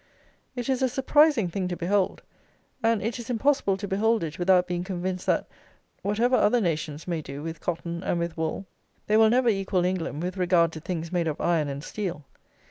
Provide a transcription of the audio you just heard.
It is a surprising thing to behold; and it is impossible to behold it without being convinced that, whatever other nations may do with cotton and with wool, they will never equal England with regard to things made of iron and steel.